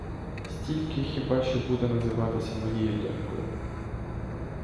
Стільки хіба, що буде називатися моєю донькою.